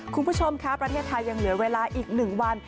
คุณผู้ชมคะประเทศไทยยังเหลือเวลาอีก๑วัน